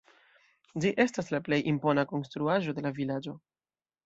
Ĝi estas la plej impona konstruaĵo de la vilaĝo.